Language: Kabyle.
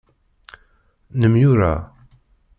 Nemyura.